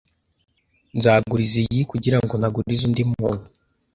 Nzaguriza iyi kugirango ntaguriza undi muntu